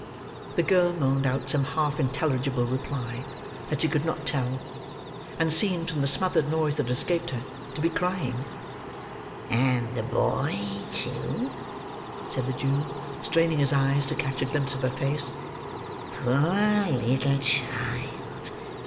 The girl moaned out some half intelligible reply, that she could not tell; and seemed, from the smothered noise that escaped her, to be crying. "And the boy, too," said the Jew, straining his eyes to catch a glimpse of her face. "Poor leetle child!